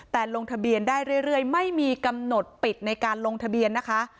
แต่ลงทะเบียนได้เรื่อยไม่มีกำหนดปิดในการลงทะเบียนนะคะ